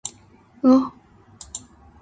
うおっ。